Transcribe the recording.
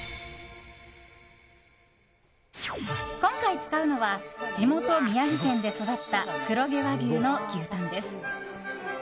今回使うのは地元・宮城県で育った黒毛和牛の牛タンです。